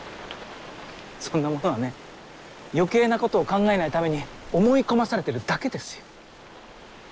そんなものはね余計なことを考えないために思い込まされてるだけですよ。